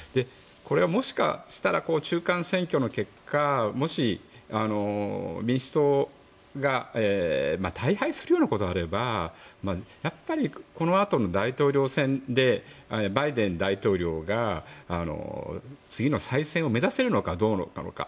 もしかしたら中間選挙の結果もし、民主党が大敗するようなことがあればやっぱりこのあとの大統領選でバイデン大統領が次の再選を目指せるのかどうなのか。